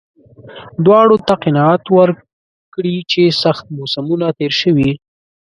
دواړو ته قناعت ورکړي چې سخت موسمونه تېر شوي.